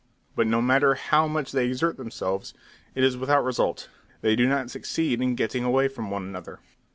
But no matter how much they exert themselves, it is without result; they do not succeed in getting away from one another.